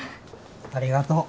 ありがとう。